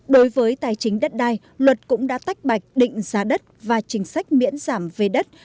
đối với tài chính đất đai luật cũng đã tách bạch định giá đất và chính sách miễn giảm về đất